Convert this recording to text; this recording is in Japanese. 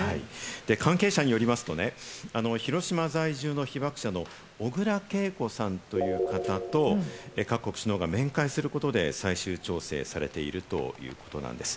関係者によりますとね、広島在住の被爆者の小倉桂子さんという方と各国首脳が面会することで最終調整されているということなんです。